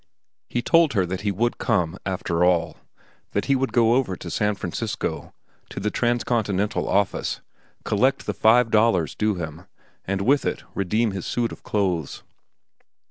He told her that he would come, after all; that he would go over to San Francisco, to the Transcontinental office, collect the five dollars due him, and with it redeem his suit of clothes.